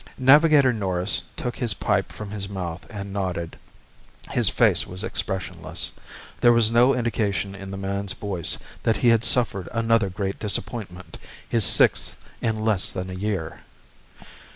Navigator Norris took his pipe from his mouth and nodded. His face was expressionless. There was no indication in the man's voice that he had suffered another great disappointment, his sixth in less than a year.